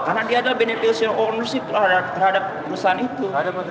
karena dia adalah beneficiary ownership terhadap perusahaan itu